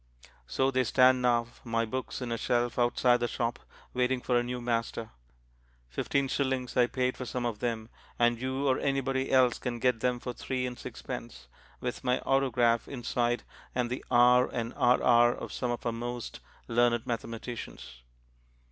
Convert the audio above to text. So they stand now, my books, in a shelf outside the shop waiting for a new master. Fifteen shillings I paid for some of them, and you or anybody else can get them for three and sixpence, with my autograph inside and the "R" and "RR" of some of our most learned mathematicians.